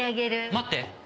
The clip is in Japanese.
待って！